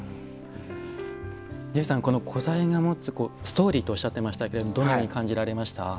ジェフさん古材が持つストーリーとおっしゃってましたがどのように感じられました？